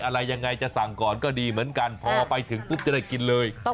อะไรยังไงจะสั่งก่อนก็ดีเหมือนกันพอไปถึงปุ๊บจะได้กินเลย